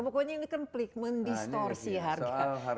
pokoknya ini kan pelik mendistorsi harga